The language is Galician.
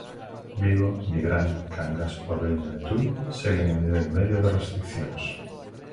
Vigo, Nigrán, Cangas, Porriño e Tui seguen en nivel medio de restricións.